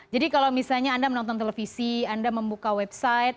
jadi kalau misalnya anda menonton televisi anda membuka website